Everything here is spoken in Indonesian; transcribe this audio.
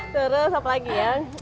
terus apa lagi ya